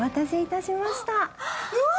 うわ！